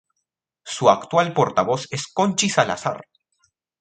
Su actual portavoz es Conchi Salazar.